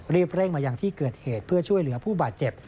เร่งมายังที่เกิดเหตุเพื่อช่วยเหลือผู้บาดเจ็บ